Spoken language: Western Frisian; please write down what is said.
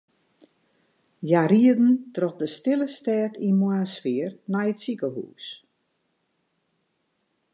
Hja rieden troch de stille stêd yn moarnssfear nei it sikehûs.